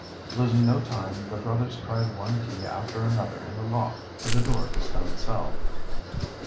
Losing no time, the brothers tried one key after another in the lock to the door of the stone cell.